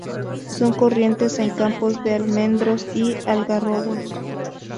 Son corrientes en campos de almendros y algarrobos.